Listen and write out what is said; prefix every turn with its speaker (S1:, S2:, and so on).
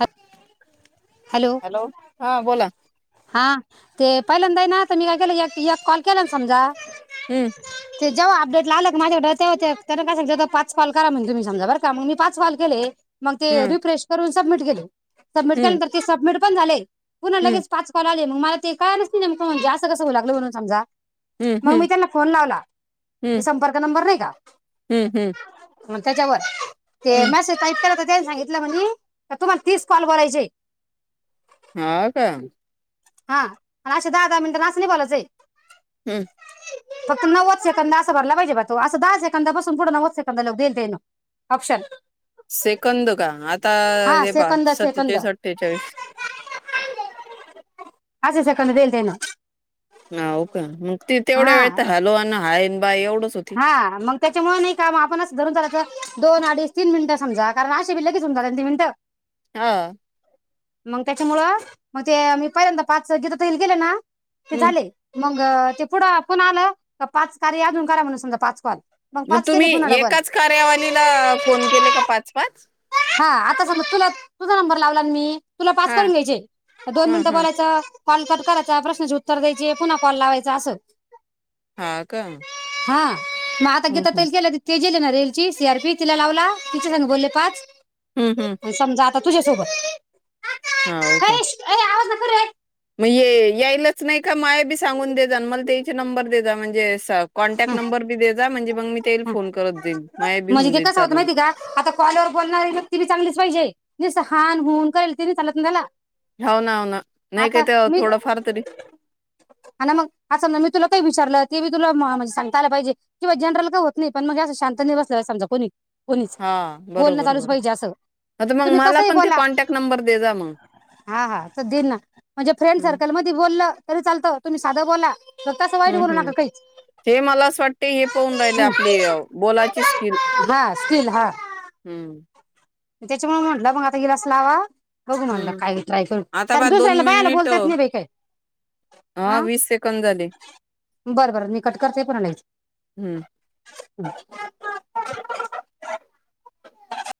S1: ह हॅलो
S2: हा बोला
S1: हा ते पहिल्यांदा हाय ना आता मी काय केलं एक एक कॉल केला ना समजा
S2: हम्म
S1: ते जेव्हा अपडेट आले कनाय माझ्याकड तेव्हा ते त्याना काय सांगितलं होत पाच कॉल करा म्हणून तुमी समजा बरं का मग मी पाच कॉल केले मग ते
S2: हम्म
S1: रिफ्रेश सबमिट केल. सबमिट
S2: हम्म
S1: केल्यानंतर ते सबमिट पण झाले. पुन्हा
S2: हम्म
S1: लगेच पाच कॉल आले म मग मला ते काय नाही नमकं म्हणजे असं कसं होऊ लागलं म्हणून समजा.
S2: हम्म
S1: मग मी
S2: हम्म
S1: त्यांना फोन लावला.
S2: हम्म
S1: ते संपर्क नंबर नाही का?
S2: हम्म हम्म
S1: मग त्याच्यावर ते
S2: हम्म
S1: मेसेज टाईप केला त्यांला सांगितला म्हणे तुम्हाला तीस कॉल करायचे.
S2: हा का?
S1: हा आणि अशे दहा दहा मिनटांन असं नाही बोलायचय.
S2: हम्म
S1: फक्त नव्वद सेकंद असं भरयला पाहिजे ब तो. असं दहा सेकंदा बसून पुढं नव्वद सेकंद ल देईल ते मग ऑप्शन.
S2: सेकंद का आता
S1: हा
S2: हे पा
S1: सेकंद सेकंद
S2: सत्तेचाळीस, अठ्ठेचाळीस.
S1: आसे सेकंद दिल तेन.
S2: ह हो का? मग ती तेवढ्या वेळ तर हॅलो ना हाय बाय एवढंच होती
S1: हा मग त्याच्यामुळे नाही काम आपणच धरून चालायच. दोन अडीच तीन मिनिट समजा कारण अशीे बी लगेच होऊन जातात तीन मिनिट.
S2: हा
S1: मग त्याच्यामुळं मग ते मी पहिल्यांदा पाच गिता ताई गेले ना ते
S2: हम्म
S1: झाले मग अ ते पुढं आपून आलं. पाच कार्य अजून करा म्हणून समजा पाच कॉल
S2: मग
S1: पाच केले
S2: तुम्ही
S1: पुन्हा डबल
S2: एकाच कार्यावलीला फोन केले का पाच पाच?
S1: हा आता सांगू तुला तुझा नंबर लावला ना मी तुला पाच
S2: हा
S1: करून घ्यायचे दोन
S2: हा
S1: मिनिटं
S2: हा
S1: बोलायचं कॉल कट करायचा, प्रश्नाचे उत्तर द्यायचे, पुन्हा कॉल लावायचा असं.
S2: हा का
S1: हां म आता गीता
S2: हम्म
S1: ताईला केलत चेक केले ना रेलची सी आर पी तिला लावला तिच्या संग बोलले पाच.
S2: हम्म हम्म
S1: आणि समजा आता तुझ्यासोबत
S2: हा हो
S1: अ
S2: का
S1: अ
S2: मग ये यायलाच नाही का माया बी सांगून दे जा मला त्याचे नंबर दे जा म्हणजे कॉन्टॅक्ट नंबर बी दे जा म्हजी
S1: ह म्हणजे ते
S2: जाईल
S1: कसं होतं
S2: चालू
S1: माहिती का आता कॉलवर बोलणारी व्यक्ती बी चांगलीच पाहिजे निस्त हा न हुं करेल ती नि चालत नाही त्याला,
S2: हव ना ना नाही काय
S1: आता
S2: ते थोडं फार तरी
S1: हा ना मग अस समजा मी तुला काही विचारलं ते बी तुला म्हणजे सांगता आलं पाहिजे कीवा जनरल काय होत नाही पण मग असं शांत नई बसलं पाहिजे कोणी कोणीच
S2: हा
S1: बोलणं
S2: बरोबर
S1: चालूच
S2: बरोबर
S1: पाहिजे असं
S2: आता मग
S1: तुम्ही
S2: मला
S1: कसही
S2: पण ते
S1: बोला
S2: कॉन्टॅक्ट नंबर दे जा मग
S1: हा हा देल ना म्हणजे फ्रेंड
S2: हम्म
S1: सर्कल मदि बोललं तरी चालतो तुम्ही साध बोला.
S2: हम्म हम्म
S1: काहीच
S2: हे मला असं वाटते हे पाहून राहिले
S1: हम्म.
S2: आपली बोलाची स्किल
S1: हा
S2: हम्म
S1: त्याच्यामूळ म्हटलं मग आता हिलाच लावा बघू म्हणटलं
S2: हम्म
S1: काही ट्राय करू
S2: आता
S1: कारण
S2: बा दोन
S1: दुसऱ्याला बायला
S2: मिनिट अ,
S1: बोलतात नाही बाई काय हा
S2: वीस सेकंद झाले
S1: बरं बर मी कट करते पुन्हा
S2: हम्म
S1: [inaudible]